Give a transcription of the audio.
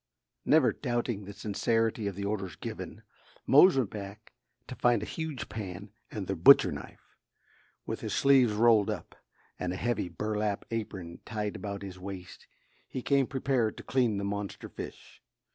Never doubting the sincerity of the orders given, Mose went back to find a huge pan and the butcher knife. With his sleeves rolled up and a heavy burlap apron tied about his waist, he came prepared to clean the monster fish.